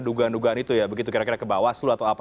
dugaan dugaan itu ya begitu kira kira ke bawaslu atau apa